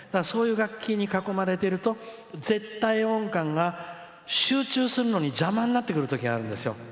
そういう楽器に囲まれていると絶対音感が集中するのに邪魔になってくるときがあるんですよ。